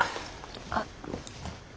あっ。